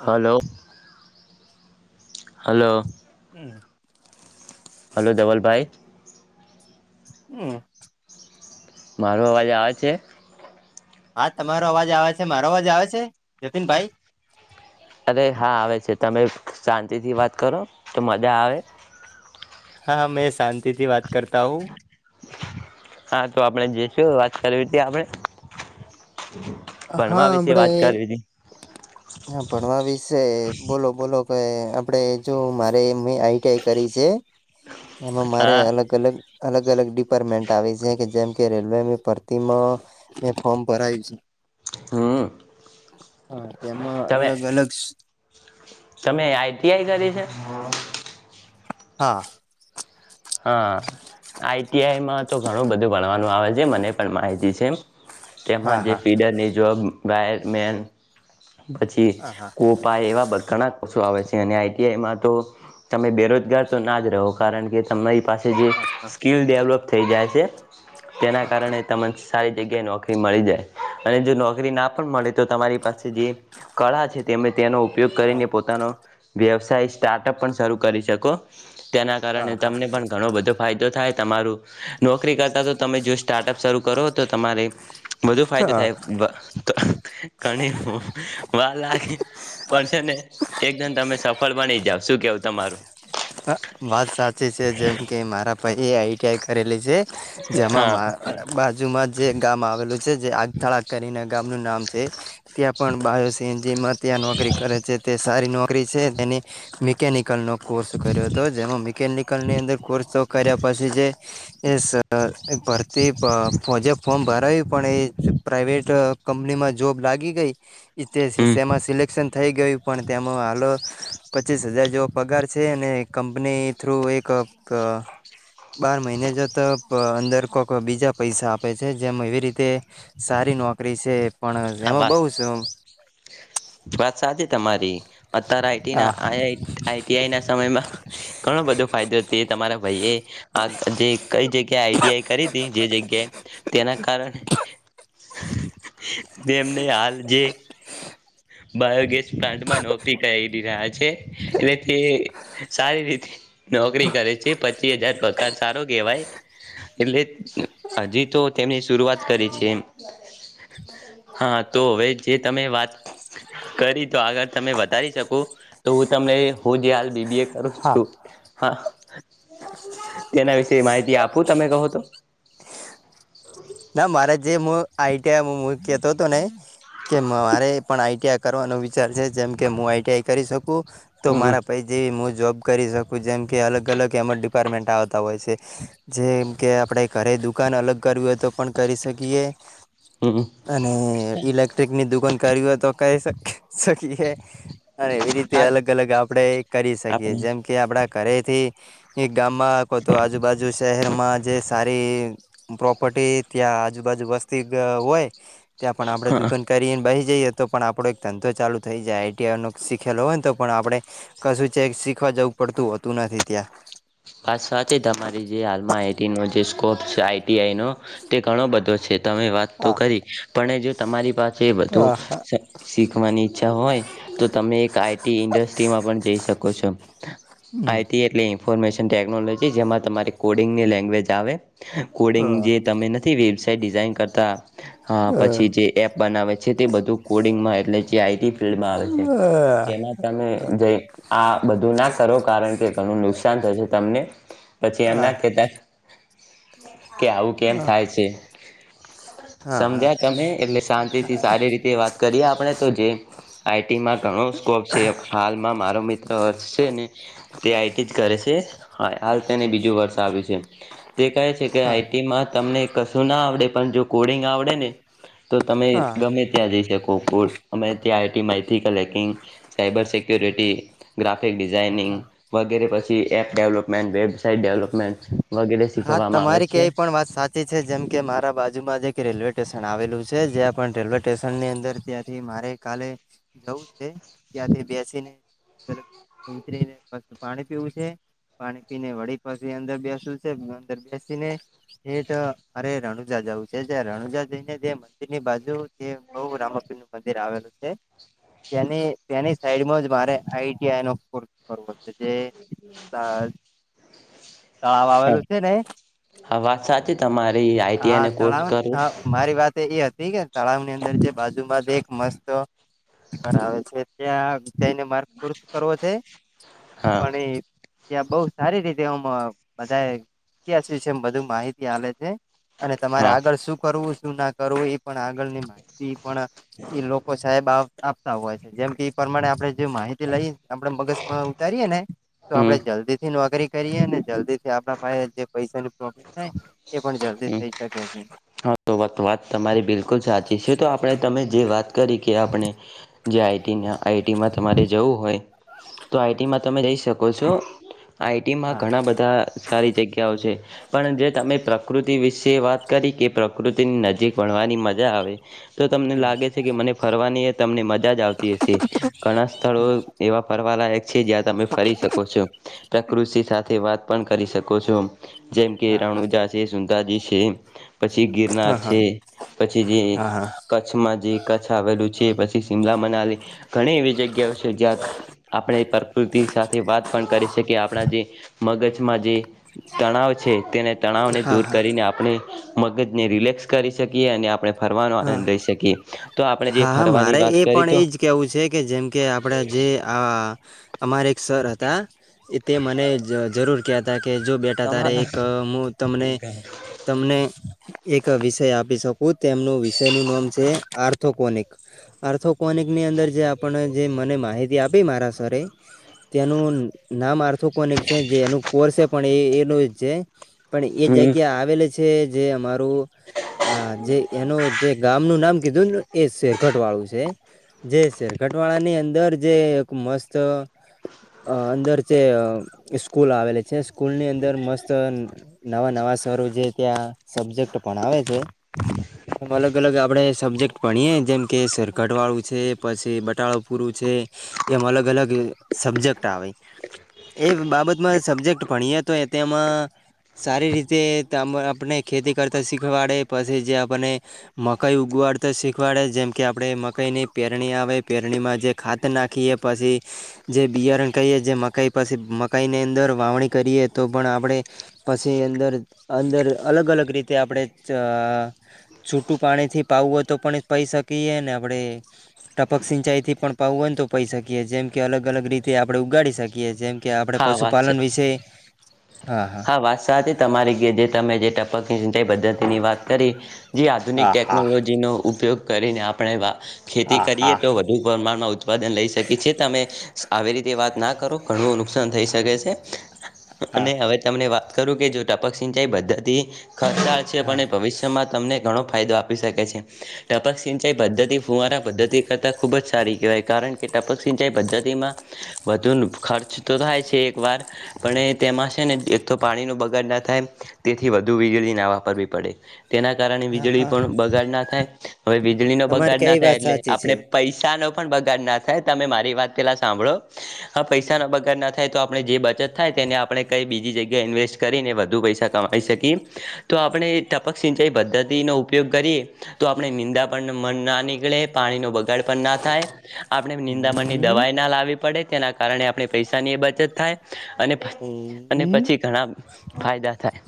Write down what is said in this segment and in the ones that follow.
હમ, hello hello [inaudible] hello દેવલભાઈ [inaudible] મારો અવાજ આવે છે. હા તમારો અવાજ આવે છે મારો અવાજ આવે છે જતીનભાઈ અરે હા આવે છે તમે શાંતિથી વાત કરો તો મજા આવે હા મેં શાંતિથી વાત કરતા હું હા તો આપણેે જઈશું વાત કરવી હતી આપણે હા ભણવા વિશે આપડે વાત કરવી હતી હા ભણવા વિશે બોલો બોલો કે આપડે જો મારે મેં આઈટીઆઈ કરી છે. હ એમાં મારે અલગ અલગ અલગ અલગ ડિપાર્ટમેન્ટ આવે છે કે જેમ કે રેલવે ભરતીમાં મે ફોર્મ ભરાયું છે. હમ હા તેમાં તમે અલગ અલગ તમે આઈટીઆઈ કરી છે હા હા આઈટીઆઈમાં તો ઘણું બધું ભણવાનું આવે છે મને માહિતી છે હા તેમાં જે હા ફીડરની જોબ પછી હા હા કોપા એવા બખાણા આવે છે અને આઈટીઆઈમાં તો તમે બેરોજગાર તો ના જ રહો કારણ કે તમે પાસે જે હા સ્કીલ ડેવલપ થઈ જાય છે તેના હા કારણે તમને સારી જગ્યાએ નોકરી મળી જાય અને જો નોકરી ના પણ મળે તો તમારી પાસે જે કળા છે તે તેનો ઉપયોગ કરીને હા પોતાનો વ્યવસાય સ્ટાર્ટઅપ પણ શરૂ કરી શકો તેના કારણે હા તમને પણ ઘણો બધો ફાયદો થાય તમારું નોકરી કરતા તો તમે જો સ્ટાર્ટઅપ શરૂ કરો તો તમારે વધુ ફાયદો હા થાય ઘણી વાર લાગી પણ છે ને એકદમ તમે સફળ બની જાવ શું કેવું તમારું વાત સાચી છે જેમ કે મારા પહી આઈ ક્યા કરેલી છે જેમાં હા માર બાજુમાં જે ગામ આવેલું છે જે આગથળ કરીને ગામ ન નામ છે ત્યાં પણ તે જેમાં ત્યાં નોકરી કરે છે તે સારી નોકરી છે તેની મિકેનિકલ નો કોર્સ કરયો હતો જેમાં મિકેનિકલ ની અંદર કોર્સ તો કર્યા પછી જે ભરતી પર ફોજે ફોર્મ ભરાયું પણ એ પ્રાઇવેટ કંપનીમાં જોબ લાગી ગઈ હમ તેમાં સિલેક્ટ એશન થઈ ગયું પણ તેમાં હાલો પચીસ હજાર જેવો પગાર છે. છે અને કંપની થ્રુ એક બાર મહિને જતા અંદર કોઈક બીજા પૈસા આપે છે જેમ એવી રીતે સારી નોકરી છે. પણ હા એમાં વાત બઉ સ વાત સાચી તમારી અત્યારે આઈટી ના હા આઈટીઆઈ ના સમયમાં ઘણો બધો ફાયદો છે તમારા ભાઈએ આ જે કઈ જગ્યાએ આઈટીઆઈ કરી હતી જે જગ્યાએ તેના કારણે એમને હાલ જે બાયોગેસ પ્લાન્ટમાં નોકરી કરી રહ્યા છે એટલે તે સારી રીતે નોકરી કરે છે પચીસ હજાર પગાર સારો કેહેવાય એટલે હજી તો તેમની શરૂઆત કરી છે એમ હા તોવે જે તમે વાત કરી તો આગળ તમે વધારી શકો તો હું તમને હું જે હાલ બીબી એ કરું હા છુ, હા તેના વિશે માહિતી આપું તમે કહો તો ના મારે જે હ આઈટીઆ કેતો હતો ને કે મારે પણ આઈટી કરવાનો વિચાર છે જે કે હુ, આઈટીઆઈ કરી શકું તો હમ મારા પૈ જેવી હુ જોબ કરી શકું જેમ કે અલગ અલગ એમ ડિપાર્ટમેન્ટ આવતા હોય છે જેમ કે આપણે ઘરે દુખ દુકાન અલગ કરવી હોય તો પણ કરી શકીએ હક્ન્ અને ઇલેક્ટ્રિકની દુકાન કરવી હો તો કરી શક્ શકીએ. અન એવી રીતે હા અલગ અલગ આપણેે કરી શકીએ. આપણે જેમ કે આપડા ઘરેથી. એક ગામમાં કો તો આજુબાજુ શહેરમાં જે સારી પ્રોપર્ટી ત્યાં આજુબાજુ વસ્તી અ હોય ત્યાં પણ આપડે હા દુકાન કરીને બહી જઈએ તો પણ આપણો એક ધંધો ચાલુ થઈ જાય આઈ ટી આઈનો શીખેલો હોયને તોપણ આપણે કશું ચેક શીખવા જવુ પડતુ હોતુ, નથી ત્યા વાસ સાચી તમારી જે હાલમાં આઈ ટીનો જે સ્કોપ છે આઈ ટી આઈનો તે ઘણો બધો છે. તમે વાત તો આ કરી પણ એ જો તમારી પાસે વધુ આ હા શક્ શીખવાની ઈચ્છા હોય. તો તમે એક આઈ ટી ઇન્ડસ્ટ્રીમાં પણ જઈ શકો છો. હમ્મ આઈટી એટલે ઇન્ફોર્મેશન ટેક્નોલોજી. જેમાં તમારી કોડિંગની લેંગ્વેજ આવે. અ કોડિંગ જે તમે થી વેબસાઇટ ડિઝાઇન કરતા અ અ અ પછી જે એપ બનાવે છે. છે તે બધું કોડિંગમાં એટલે જે આઈ ટી ફિલ્ડમાં આવે છે. તેમાં તમે હા જ‌ઈ આ બધું ના કરો કારણ કે ઘણું નુકસાન થશે. તમને પછી એમના કેતા કે આવું કેમ થાય છે. હા સમજ્યા તમે? એટલે શાંતિથી સારી રીતે વાત કરીએ આપણે તો જે આઈ ટીમાં ઘણો સ્કોપ છે. હાલમાં મારો મિત્ર અક્ષ છેને. તે આઈ ટી જ કરે છે. હા હાલ તેને બીજું વર્ષ આવ્યું છે. તે કહે છે કે હા આઈ ટીમાં તમને કશું ના આવડે પણ જો કોડિંગ આવડે ને તો તમે ગમે હા ત્યાં જઈ શકો. કુડ અમે ત્યાં આઈ ટી માહિતી collecting, cyber security graphic designing વગેરે પછી app development web side development વગેરે હા શીખવામાં આવે તમારી છે. ક્યાંય પણ વાત સાચી છે. જેમ કે મારા બાજુમાં જ એક રેલવેટેશન આવેલું છે. જ્યાં પણ રેલવેટેશનની અંદર ત્યાંથી મારે કાલે જવું છે, ત્યાંથી બેસીને ઉતરીને પછી પાણી પીવું છે, પાણી પીને વળી પછી અંદર બેસું છે. અંદર બેસીને ઠેટ મારે રણુજા જવું છે. જ્યા રણુજા જઈને જે મંદિરની બાજુ જે બહુ રામપીરનું મંદિર આવેલું છે. તેની તેની સાઈડમાં જ મારે આઈ ટી આઈનો કોર્સ કરવો છે. જે તા તળાવ આવેલું છેને. હા વાત સાચી તમારી આઈટીઆઈ હા ને કોર્સ તળાવને કરું તળાવ. મારી વાત એ હતી કે તળાવની અંદર જે બાજુમાં એક મસ્ત ઘર આવે છે ત્યા જ‌ઈને માર્ગ પુરુષ કરવો છે હા અને ત્યાં બઉ સારી રીતે આમ બધા ઇતિહાસ વિશે બધુ માહિતી આલે છે. અને તમારે હા આગળ શું કરવું? શું ના કરવું? એ પણ આગળની મા હીતી પણ એ લોકો સાહેબ આપતા હોય છે. જેમ કે પરમાણે આપણે જો માહિતી લઈ આપડે મગશમાં ઉતારીએે ને તો હમ આપડે જલ્દી થી નોકરી કરીએ ને જલ્દીથી આપણા પાહે જે પૈસાની પ્રોફિટ થાયને એ પણ જલ્દી હમ થઇ શકે છે. હા તો વાત તમારી બિલકુલ સાચી છે. તો આપણે તમે જે વાત કરી કે આપણે જે આઈ ટીના આઈ ટીમાં તમારે જવું હોય. તો આઇ ટીમાં તમે રહી શકો છો. આઈ ટીમાં હા ઘણા બધા સારી જગ્યા ઓ છે. પણ જે તમે પ્રકૃતિ વિશે વાત કરી કે પ્રકૃતિની નજીક ભણવાની મજા આવે. તો તમને હા લાગે છે કે મને ફરવાની એ તમને મજા જ આવતી હશે. ઘણા સ્થળો એવા ફરવાલાયક છે. જ્યાં તમે ફરી શકો છો. પ્રકૃતિ સાથે વાત પણ કરી શકો છો. જેમ કે હા રાણુજા છે સુંધાજી છે એમ. પછી ગિરનાર હા છે હા પછી જે હા હા હા કચ્છમાં જે કચ્છ આવેલું છે પછી શિમલા મનાલી ઘણી એવી જગ્યાઓ છે જ્યાં આપણે પ્રકૃતિ સાથે વાત પણ કરી શકીએ આપણા જે મગજમાં જે તણાવ છે તેને તણાવ ને હા હા આપણે મગજને રિલેક્સ કરી શકીએ અને આપણે ફરવાનો હા આનંદ લઈ શકીએ તો આપણે જે હા ફરવાની મારે વાત એ કરી પણ તો એજ કેવું છે કે જેમ કે આપણે જે આ અમારે એક સર હતા તે મને જરૂર કહે હતા કે જો બેઠ અતારે તમારા એક હું તમને. તમને એક વિષય આપી શકું તેમનું વિષય નું નામ છે આર્થોકોનિક આર્થોકોનિક ની અંદર જે આપને જે મને માહિતી આપી મારા સરે તેનું નામ આ આથોકોનિક છે જે એનું કોરસે પણ એ એનું છે પણ એ હમ જગ્યા આવેલી છે જે અમારું આ જે એનો જે ગામનું નામ કીધુંને એ શેરખટ વાળું છે. જે શેરકટ વાળા ની અંદર જે એક મસ્ત અ અંદર જે સ્કૂલ આવેલી છે સ્કૂલ ની અંદર મસ્ત નવા નવા શરો જે ત્યાં સબ્જેક્ટ ભણાવે છે. [inaudible] ઓમ અલગ અલગ આપણે સબ્જેક્ટ ભણીએ જેમ કે સરકટવાળું છે પછી બટાળા પૂરું છે. એમ અલગ અલગ સબ્જેક્ટ આવે એ બાબતમાં સબ્જેક્ટ ભણીએ. તો એ તેમાં સારી રીતે ત આપણે ખેતી કરતા શીખવાડે પછી જે આપણને મકાઈ ઉગવાડતો શીખવાડે જેમ કે આપડે મકાઈ ની પેરણી આવે પેરણીમાં જે ખાત નાખીએ પછી જે બિયારણ કહીએ જે મકાઈ પાછી મકાઈની અંદર વાવણી કરીએ તો પણ આપણે પછી અંદર અંદર અલગ અલગ રીતે આપણે ચ છૂટું પાણી થી પાવું હોય તો પણ પઈ શકીએ ને આપણે ટપક સિંચાઈથી પણ પાવું હોય તો પઈ શકીએ જેમ કે અલગ અલગ રીતે આપણે ઉગાડી શકીએ જેમ. કે આપણે હા વાત છે પશુપાલન વિશે હા હા. વાત સાથે તમારી જે જે તમે જે ટપકની ચિંતા પદ્ધતિ ની વાત કરી. જે આધુનિક આ હા ટેકનોલોજીનો ઉપયોગ કરીને આપણે વા ખેતી આ કરીએ હા તો ઉપ્રમાણમાં ઉત્પાદન લઈ શકી છી તમે આવી રીતે વાત ના કરો ઘણું નુકસાન થઈ શકે છે. હા અને હવે તમને વાત કરું કે જો ટપક સિંચાઈ બદ્ધતિ ખચળ છે હા પણ ભવિષ્ય માં તમને ઘણો ફાયદો આપી શકે છે. ટપક સિંચાઈ પદ્ધતિ ફૂવારા પદ્ધતિ કરતાં ખૂબ જ સારી કહેવાય કારણ કે ટપક સિંચાઈ પદ્ધતિમાં. વધુ ખર્ચ તો થાય છે એક વાર પણ એ તેમાં છે ને તો પાણી ન બગાડ ના થાય તેથી વધુ વીજળી ના વાપરવી પડે તેના કારણે હા વીજળી હા પણ બગાડ ના થાય હવે વીજળીનો તમારે બગાડ ના કઈ થાય વાત એટલે સાચી છે આપણે. પૈસા નો પણ બગાડ ના થાય તમે મારી વાત પેલા સાંભળો. હા પૈસા ના બગાર ના થાય તો આપણે જે બચત થાય તેને આપણે કઈ બીજી જગ્યા જ્યા ઇન્વેસ્ટ કરીને વધુ પૈસા કમાવી શકીએ તો આપણે ટપક સિંચાઈ પદ્ધતિનો ઉપયોગ કરીએ. તો આપણે નિંદા પણ મન ના નીકળે પાણીનો બગાડ પણ ના થાય. આપણે નિંદામણની હમ દવાએ ના લાવવી પડે, તેના કારણે આપણે પૈસાની બચત થાય. અને પછ એ પછી ઘણા ફાયદા થાય.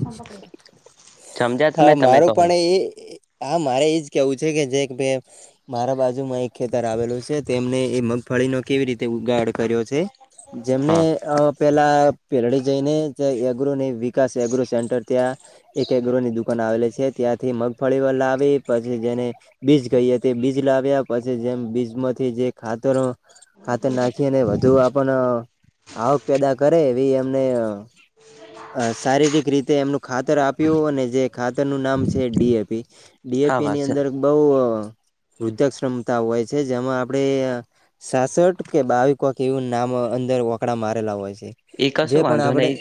સમજ્યા હા તમે તમે મારું કહો પણ એ હા મારે એજ કેવું છે કે જે કભે મારા બાજુમાં એક ખેતર આવેલું છે તેમને એ મગફળીનો કેવી રીતે ઉગાડ કર્યો છે. જેમને હા અ પેલા પેલડી જઈને એગ્રોને એ વીક વિકાસ એગ્રો સેન્ટર ત્યાં એક એગ્રોની દુક આવેલી છે. ત્યાંથી મગફળી વલાવી પછી જેને બીજ કહીએ તે બીજ લાવ્યા પછી જેમ બીજમાંથી જે ખાતરો ખાતર નાખીને વધુ આપણ આવક પેદા કરે એવી એમને અ શારીરિક રીતે એમનું ખાતર આપ્યું અને જે ખાતર નું નામ છે ડીએપી. હા ડીએપીની વાત અંદર બહુ અ વૃદ્ધાશ્રમતા હોય છે. જેમાં આપણે સાસઠ કે બાવી કોક એવું નામ અંદર ઓકડા મારેલા હોય છે. એ જે કશું પણ વાંધો આપણે નહી.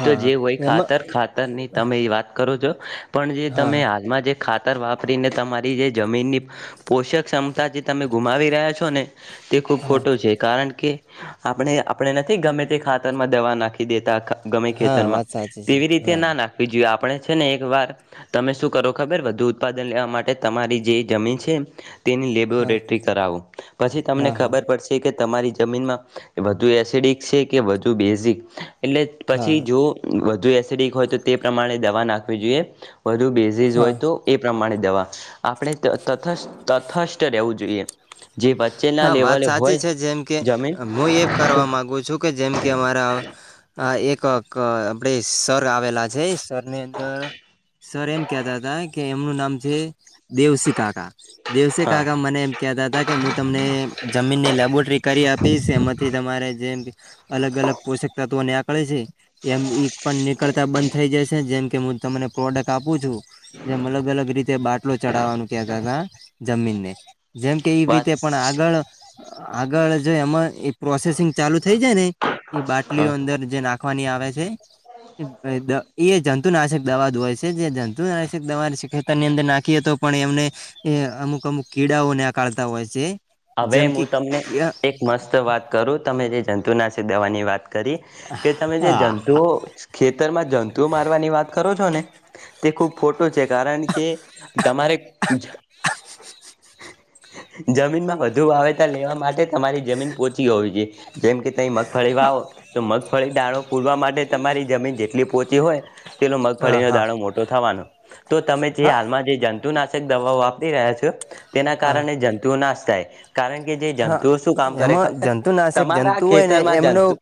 હા જે હા હોય એમાં ખાતર ખાત તરની તમે એ વાત કરો છો. પણ જે હા તમે હાલમાં જે ખાતર વાપરીને તમારી જે જમીનની પોષક ક્ષમતા જે તમે ગુમાવી રહ્યા છો ને. તે ખુબ હા ખોટું છે. કારણ કે આપણે આપણે નથી ગમે તે ખાતરમાં દવા નાખી દેતા ગમે એ હા ખેતરમાં વાત સાચી છે તેવી રીતે હા ના નાખ વી જોઈએ આપણે છે ને એકવાર તમે શું કરો ખબર વધુ ઉત્પાદન લેવા માટે તમારી જે જમીન છે તેની લે હા બોરેટરી કરાવો. પછી તમને હા હા ખબર પડશ શે કે તમારી જમીનમાં વધુ એસિડિક છે કે વધુ બેઝિક? એટલે હા પછી જો વધુ એસિડિક હોય તો તે પ્રમાણે દવા નાખવી જોઈએ. વધું બેઝીઝ હા હોય તો એ પ્રમાણે દવા આપણે તથ તથસ્થ રહેવું જોઈએ. જે [inaudible] હા વાત લેવલે સાચી હોય છે. જેમ કે જમીન હું એ કરવા માગુ છું કે જેમ કે અમારા આ એક આપડે સર આવેલા છે. એ સરની અંદર સર એમ કેતા તા કે એમનું નામ છે દેવશી કાકા. દેવશી હા કાકા મને એમ કેતા તા કે મુ તમને જમીનની લેબોરેટરી કરી આપીશ એમાંથી તમારે જેમ અલગ અલગ પોષકતત્વો નેકળે છે. એમ ઈ પણ નીકળતા બંધ થઈ જશે જેમ કે હું તમને પ્રોડક્ટ આપું છું. જેમ અલગ અલગ રીતે બાટલો ચડાવાનું કેતા તા જમીનને. જેમ કે એ રીતે વાત પણ આગળ આગળ જો એમાં એ પ્રોસેસિંગ ચાલુ થઈ જાય ને એ બાટલી હા અંદર જે નાખ ખવાની આવે છે. એ જંતુનાશક દવા જ હોય છે. જે જંતુનાશક દવા ખેતરની અંદર નાખીએ તો પણ એમને એ અમુક અમુક કીડાઓ નેકડતા હોય છે. હવે જેમ કે મું તમને એક મસ્ત વાત કરું, તમે જે જંતુનાશક દવાની વાત કરી કે તમે જે હા. જંતુઓ ખેતરમાં જંતુઓ મારવાની વાત કરો છો ને તે ખૂબ ખોટું છે કારણ કે તમારે જમીનમાં વધુ વાવેતર લેવા માટે તમારી જમીન પોચી હોવી જોઈએ. જેમ કે તમે મગફળી વાવો તો મગફળી દાળો ફૂલવા માટે તમારી જમીન જેટલી પોચી હોય તેટલો હા મગફળીનો હા દાણો મોટો થવાનો. તો તમે જે હા હાલમાં જે જંતુનાશક દવાઓ વાપરી રહ્યા છો તેના હા કારણે જંત તુંઓ નાશ થાય. કારણ કે જે હા જંતુઓ શું કામ કરે એમાં ખબર જંતુનાશક તમારા જંતુ હોય ને ખેતરમાં એમનો જતું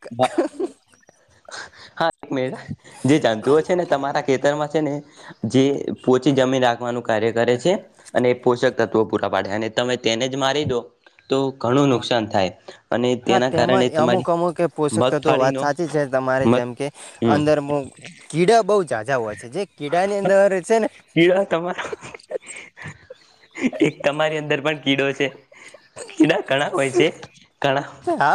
હા એક મિનટ હા. જે જંતુઓ છે ને તમારા ખેતરમાં છે ને જે પોચી જમીન રાખવાનું કાર્ય કરે છે અને એ પોષક તત્વો પૂરા પાડે અને તમે તેને જ મારી દો તો ઘણું હ નુકસાન થાય અને હા તેના કારણે તેમાં અમુક તમારી અમુક કે પોષક તત્વ વાત મગફાળીનો સાચી. સાચી છે તમારે મગ જેમ કે હમ અંદર કીડા બહુ જાજા હોય છે જે કીડાની અંદર છે ને કીડો તમારો એક તમારી અંદર પણ કીડો છે. કીડા ઘણા હોય છે [unintelligible] હા.